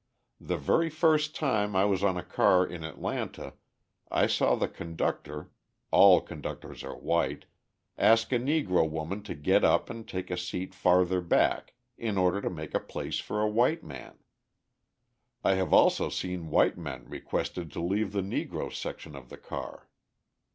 The very first time I was on a car in Atlanta, I saw the conductor all conductors are white ask a Negro woman to get up and take a seat farther back in order to make a place for a white man. I have also seen white men requested to leave the Negro section of the car.